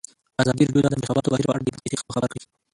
ازادي راډیو د د انتخاباتو بهیر په اړه د عبرت کیسې خبر کړي.